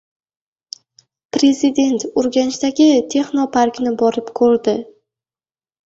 Prezident Urganchdagi texnoparkni borib ko‘rdi